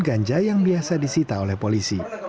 ganja yang biasa disita oleh polisi